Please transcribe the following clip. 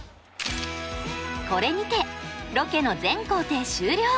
これにてロケの全行程終了。